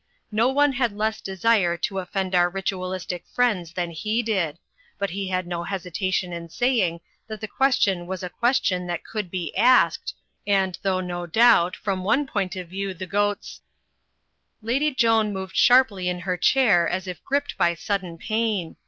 No one had less desire to offend our Ritualistic friends than he did, but he had no hesitation in saying that the question was a question that could be asked, and though no doubt, from one point of view the goat's —" Lady Joan moved sharply in her chair, as if gripped by sudden pain.